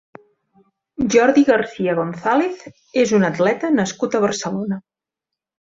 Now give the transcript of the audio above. Jordi García González és un atleta nascut a Barcelona.